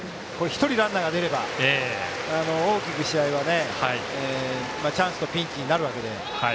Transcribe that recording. １人ランナーが出れば大きく試合はチャンスとピンチになるわけで。